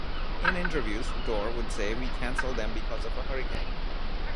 In interviews, Dorr would say we canceled them because of a hurricane.